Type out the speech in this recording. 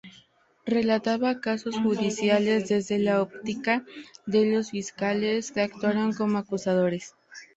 Relataba casos judiciales desde la óptica de los fiscales que actuaron como acusadores.